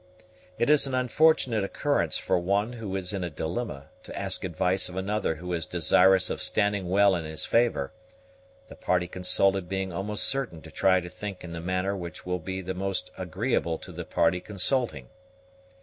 It is an unfortunate occurrence for one who is in a dilemma to ask advice of another who is desirous of standing well in his favor, the party consulted being almost certain to try to think in the manner which will be the most agreeable to the party consulting.